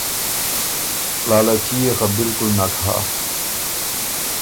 لالچي يې خه بالکل نک هۀ